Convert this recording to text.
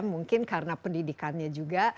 mungkin karena pendidikannya juga